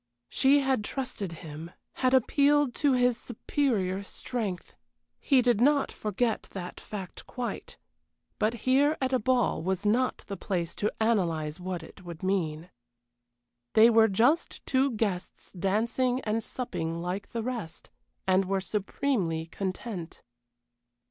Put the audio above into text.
She had trusted him had appealed to his superior strength; he did not forget that fact quite but here at a ball was not the place to analyze what it would mean. They were just two guests dancing and supping like the rest, and were supremely content.